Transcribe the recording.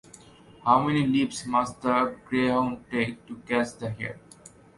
How many leaps must the greyhound take to catch the hare?